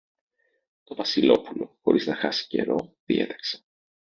Το Βασιλόπουλο, χωρίς να χάσει καιρό, διέταξε